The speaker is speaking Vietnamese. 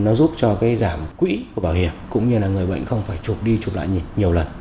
nó giúp cho cái giảm quỹ của bảo hiểm cũng như là người bệnh không phải trụp đi chụp lại nhìn nhiều lần